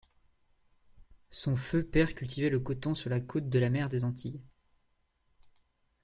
Son feu père cultivait le coton sur la côte de la mer des Antilles.